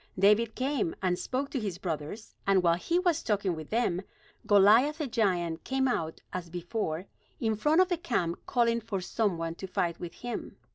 David came, and spoke to his brothers; and while he was talking with them, Goliath the giant came out as before in front of the camp calling for some one to fight with him.